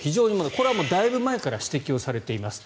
これはだいぶ前から指摘されています。